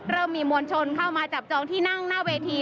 มีมวลชนเข้ามาจับจองที่นั่งหน้าเวที